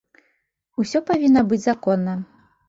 Усё павінна быць законна.